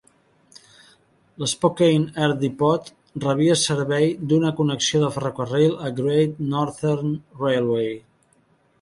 L'Spokane Air Depot rebia servei d'una connexió de ferrocarril al Great Northern Railway.